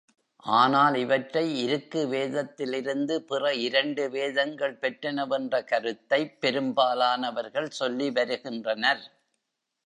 ஆனால் இவற்றை இருக்கு வேதத்திலிருந்து பிற இரண்டு வேதங்கள் பெற்றனவென்ற கருத்தைப் பெரும்பாலானவர்கள் சொல்லி வருகின்றனர்.